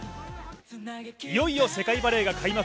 いよいよ世界バレーが開幕。